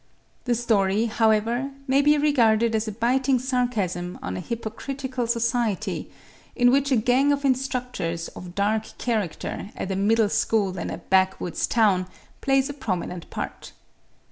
The story, however, may be regarded as a biting sarcasm on a hypocritical society in which a gang of instructors of dark character at a middle school in a backwoods town plays a prominent part.